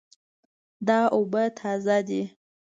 دا اوبه تازه دي